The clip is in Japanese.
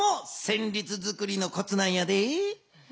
せんりつづくりのコツなんやで。